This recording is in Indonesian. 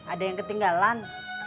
ada yang ketinggalan